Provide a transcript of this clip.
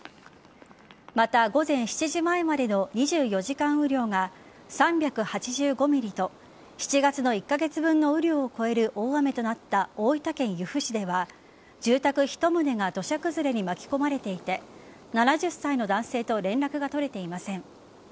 また午前７時前までの２４時間雨量が３８５ｍｍと７月の１カ月分の雨量を超える大雨となった大分県由布市では住宅１棟が土砂崩れに巻き込まれていて７０歳の男性と連絡が取れていません。